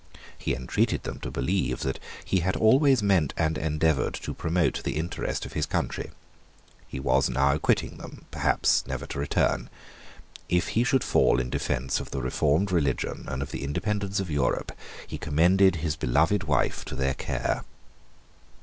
He entreated them to believe that he had always meant and endeavoured to promote the interest of his country. He was now quitting them, perhaps never to return. If he should fall in defence of the reformed religion and of the independence of Europe, he commended his beloved wife to their care.